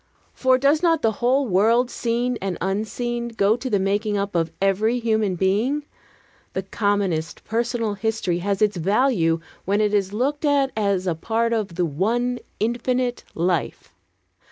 For does not the whole world, seen and unseen go to the making up of every human being? The commonest personal history has its value when it is looked at as a part of the One Infinite Life.